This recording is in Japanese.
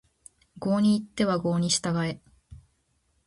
郷に入っては郷に従え